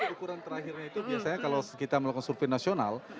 ukuran terakhirnya itu biasanya kalau kita melakukan survei nasional